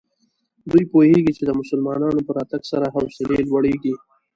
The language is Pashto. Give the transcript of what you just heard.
دوی پوهېږي چې د مسلمانانو په راتګ سره حوصلې لوړېږي.